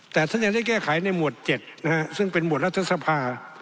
แต่ท่านยังได้แก้ไขในหมวด๗นะฮะซึ่งเป็นหวดรัฐสภา